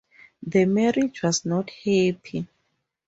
The marriage was not happy.